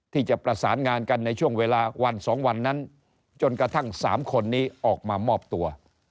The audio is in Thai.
ที่จะประสานงานกันในช่วงเวลาวัน๒วันนั้นจนกระทั่ง๓คนนี้ออกมามอบตัว